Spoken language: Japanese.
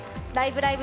「ライブ！